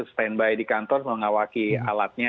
standby di kantor mengawaki alatnya